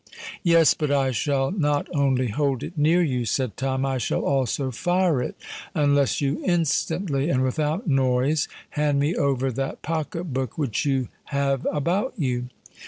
"Yes—but I shall not only hold it near you," said Tom: "I shall also fire it—unless you instantly, and without noise, hand me over that pocket book which you have about you."